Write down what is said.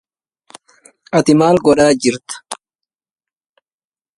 وإذا ما تلوثت اليدان يمكنها نقل الفيروس إلى العينين أو الأنف أو الفم